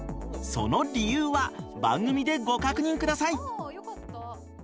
その理由は番組でご確認ください。